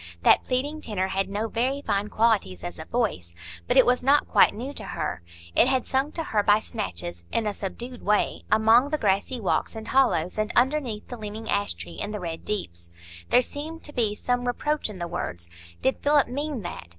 That pleading tenor had no very fine qualities as a voice, but it was not quite new to her; it had sung to her by snatches, in a subdued way, among the grassy walks and hollows, and underneath the leaning ash tree in the Red Deeps. There seemed to be some reproach in the words; did Philip mean that?